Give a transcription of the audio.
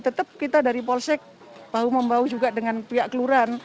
tetap kita dari polsek bahu membahu juga dengan pihak kelurahan